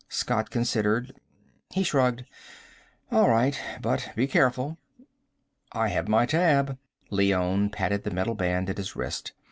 Scott considered. He shrugged. "All right. But be careful." "I have my tab." Leone patted the metal band at his wrist.